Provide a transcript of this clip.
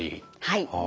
はい。